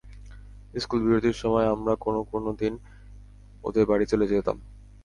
School বিরতির সময় আমরা কোনো কোনো দিন ওদের বাড়ি চলে যেতাম।